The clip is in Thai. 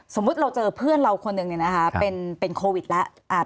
สมมุติเราเจอเพื่อนเราคนหนึ่งเป็นโควิดแล้ว